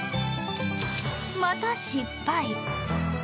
また失敗。